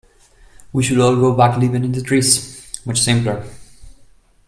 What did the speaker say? We should all go back to living in the trees, much simpler.